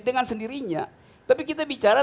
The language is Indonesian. dengan sendirinya tapi kita bicara